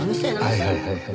はいはいはいはい。